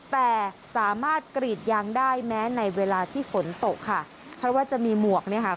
แต่สามารถกรีดยางได้แม้ในเวลาที่ฝนตกค่ะเพราะว่าจะมีหมวกเนี่ยค่ะ